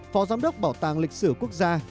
phó giám đốc bảo tàng lịch sử quốc gia